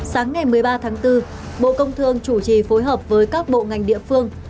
sáng ngày một mươi ba tháng bốn bộ công thương chủ trì phối hợp với các bộ ngành địa phương